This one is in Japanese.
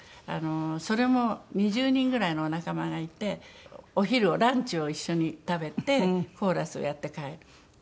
それも２０人ぐらいのお仲間がいてお昼をランチを一緒に食べてコーラスをやって帰る。